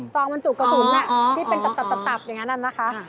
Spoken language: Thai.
องบรรจุกระสุนที่เป็นตับอย่างนั้นนะคะ